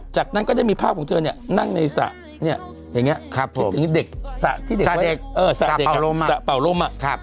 จากนั้นก็จะมีภาพของเธอเนี่ยนั่งในสระเนี่ยเหมือนเด็กสระเป่าโลมอ่ะ